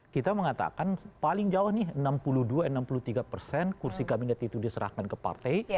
kita mengatakan paling jauh nih enam puluh dua enam puluh tiga persen kursi kabinet itu diserahkan ke partai